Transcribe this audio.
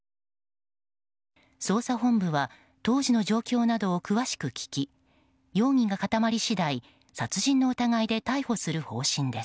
捜査本部は当時の状況などを詳しく聞き容疑が固まり次第、殺人の疑いで逮捕する方針です。